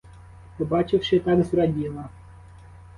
Побачивши — так зраділа!